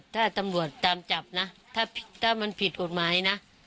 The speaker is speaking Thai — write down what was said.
ถ้าตำรวจตามจับนะถ้ามันผิดกฎหมายนะ